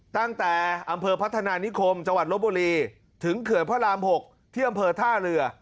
ตั้งแต่อำเภอพัฒนานิคมจังหวัดลบบุรีถึงเขื่อนพระราม๖ที่อำเภอท่าเรือ